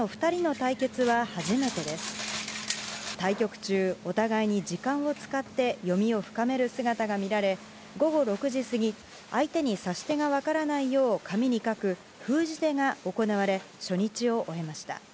対局中、お互いに時間を使って読みを深める姿が見られ、午後６時過ぎ、相手に指し手が分からないよう紙に書く、封じ手が行われ、初日を終えました。